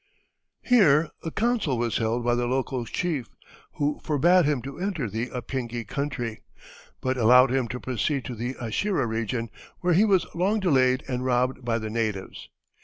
Here a council was held by the local chief, who forbade him to enter the Apingi country, but allowed him to proceed to the Ashira region, where he was long delayed and robbed by the natives.